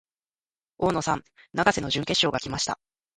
大野さん、永瀬の準決勝が来ました。